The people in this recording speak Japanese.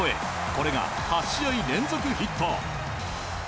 これが８試合連続ヒット。